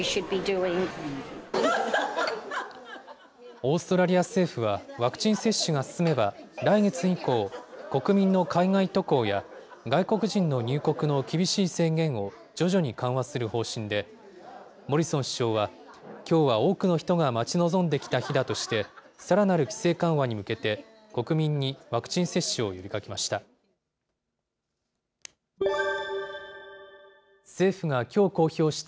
オーストラリア政府は、ワクチン接種が進めば、来月以降、国民の海外渡航や、外国人の入国の厳しい制限を徐々に緩和する方針で、モリソン首相は、きょうは多くの人が待ち望んできた日だとして、さらなる規制緩和に向けて、国民にワクチン接種を呼びかけました。